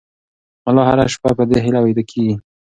ملا هره شپه په دې هیله ویده کېږي.